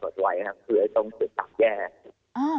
จะได้ขอนะครับ